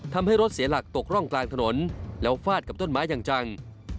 ทำให้รถเสียหลักตกร่องกลางถนนแล้วฟาดกับต้นไม้อย่างจัง